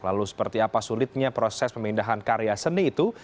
lalu seperti apa sulitnya proses pemindahan karya seni itu